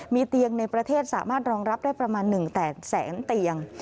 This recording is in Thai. มีเตียงในประเทศสามารถรองรับได้ประมาณ๑๘แสนเตียง